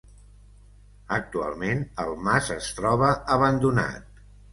Actualment el mas es troba abandonat.